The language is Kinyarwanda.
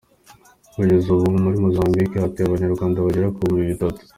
Kugeza ubu muri Mozambique hatuye Abanyarwanda bagera ki bihumbi bitatu.